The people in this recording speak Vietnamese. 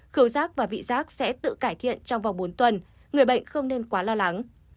khẩu rác và vị giác sẽ tự cải thiện trong vòng bốn tuần người bệnh không nên quá lo lắng